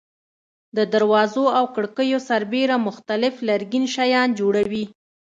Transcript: د دروازو او کړکیو سربېره مختلف لرګین شیان جوړوي.